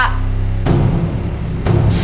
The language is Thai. เพราะว่า